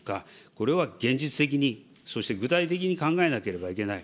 これは現実的に、そして具体的に考えなければいけない。